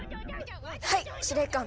はい司令官！